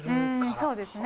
そうですね。